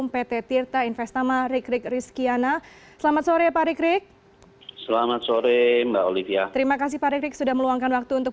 berdasarkan undang undang yang berlaku